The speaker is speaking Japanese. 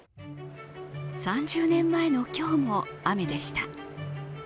３０年前の今日も雨でした。